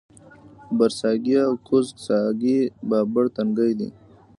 برڅاګی او کوز څاګی بابړ تنګی دی